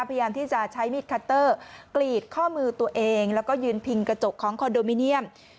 พยายามที่จะใช้มีดคัตเตอร์กรีดข้อมือตัวเองแล้วก็ยืนพิงกระจกของคอนโดมิเนียม